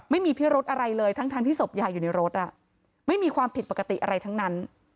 ไม่มีเพียรถอะไรเลยทั้งทั้งที่ศพยาอยู่ในรถไม่มีความผิดปกติอะไรทั้งนั้น